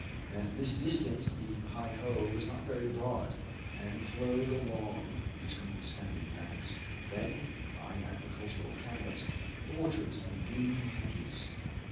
At this distance the Pei ho was not very broad, and flowed along between sandy banks, then by agricultural hamlets, with orchards and blooming hedges.